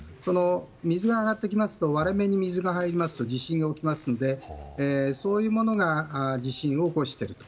水が上がってきますと割れ目に水が入ると地震が起きますのでそういうものが地震を起こしていると。